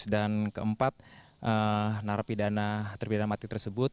dan keempat narapidana terpidana mati tersebut